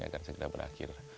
akan segera berakhir